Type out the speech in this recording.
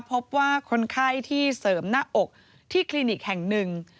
พบว่าคนไข้ที่เสริมหน้าอกที่คลินิกแห่งหนึ่ง